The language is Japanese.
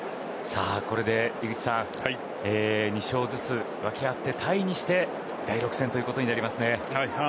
これで井口さん２勝ずつ分け合ってタイにして第６戦となりますね。